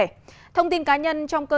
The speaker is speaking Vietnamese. các thông tin cá nhân trong cơ sở